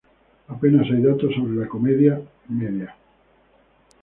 Apenas hay datos sobre la comedia media.